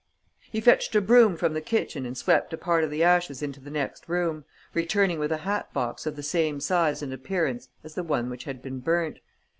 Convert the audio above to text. He fetched a broom from the kitchen and swept a part of the ashes into the next room, returning with a hat box of the same size and appearance as the one which had been burnt.